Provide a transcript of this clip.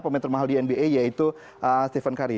pemain termahal di nba yaitu stephen curry